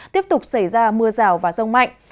tiếp tục xảy ra mưa rào và rông mạnh